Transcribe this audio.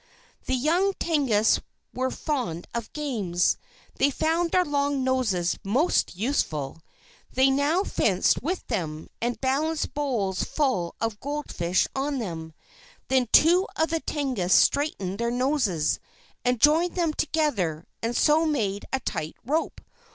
The young Tengus were fond of games. They found their long noses most useful. They now fenced with them, and balanced bowls full of goldfish on them. Then two of the Tengus straightened their noses, and joined them together, and so made a tight rope.